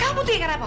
kamu tuh yang kenapa